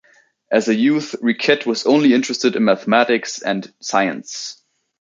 As a youth, Riquet was only interested in mathematics and science.